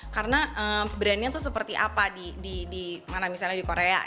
karena brand nya itu seperti apa di korea